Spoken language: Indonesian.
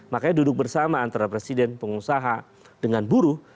makanya duduk bersama antara presiden pengusaha dengan buruh